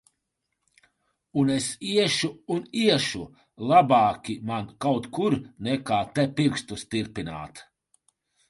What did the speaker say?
Un es iešu un iešu! Labāki man kaut kur, nekā te, pirkstus tirpināt.